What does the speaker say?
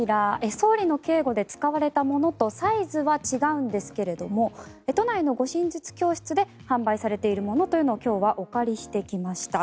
総理の警護で使われたものとサイズは違うんですが都内の護身術教室で販売されているものというのを今日はお借りしてきました。